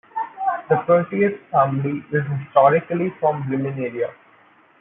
The Curtius family is historically from Bremen area.